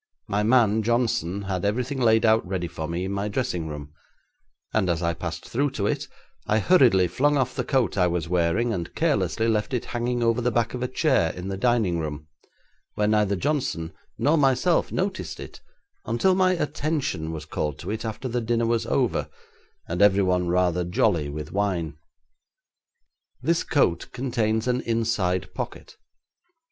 My man Johnson had everything laid out ready for me in my dressing room, and as I passed through to it I hurriedly flung off the coat I was wearing and carelessly left it hanging over the back of a chair in the dining room, where neither Johnson nor myself noticed it until my attention was called to it after the dinner was over, and everyone rather jolly with wine. 'This coat contains an inside pocket.